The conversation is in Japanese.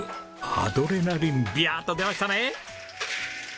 アドレナリンビヤっと出ましたね！